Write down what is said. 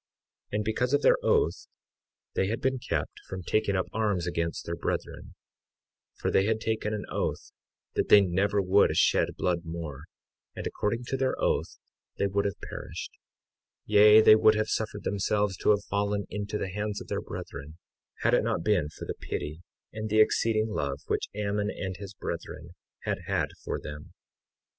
53:11 And because of their oath they had been kept from taking up arms against their brethren; for they had taken an oath that they never would shed blood more; and according to their oath they would have perished; yea, they would have suffered themselves to have fallen into the hands of their brethren, had it not been for the pity and the exceeding love which Ammon and his brethren had had for them.